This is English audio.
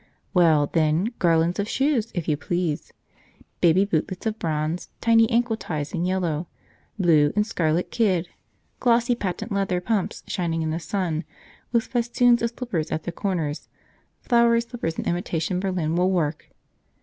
Well, then, garlands of shoes, if you please! Baby bootlets of bronze; tiny ankle ties in yellow, blue, and scarlet kid; glossy patent leather pumps shining in the sun, with festoons of slippers at the corners, flowery slippers in imitation Berlin wool work.